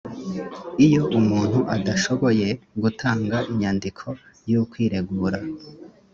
iyo umuntu adashoboye gutanga inyandiko y’ukwiregura